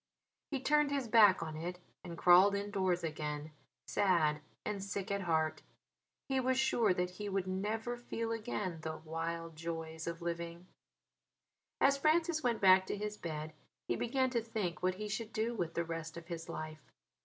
He turned his back on it and crawled indoors again, sad and sick at heart. He was sure that he would never feel again "the wild joys of living." As Francis went back to his bed he began to think what he should do with the rest of his life.